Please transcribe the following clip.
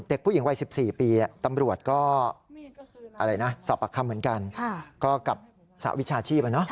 เด็กผู้หญิงวัย๑๔ปีตำรวจก็สอบปากคำเหมือนกันก็กับสหวิชาชีพ